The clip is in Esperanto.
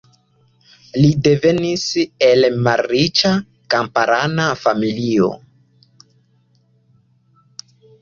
Li devenis el malriĉa kamparana familio.